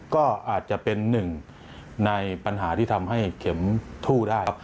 ก็อาจจะเป็นหนึ่งในปัญหาที่ทำให้เข็มทู่ได้